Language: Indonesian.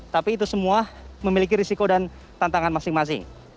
tapi itu semua memiliki risiko dan tantangan masing masing